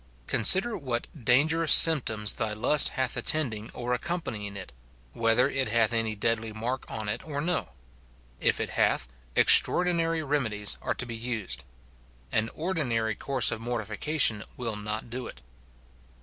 Consider what dangerous symptoms thy lust hath attending or accompanying it, — whether it hath any deadly mark on it or no ; if it hath, extraordinary reme dies are to be used ; an ordinary course of mortification will not do it.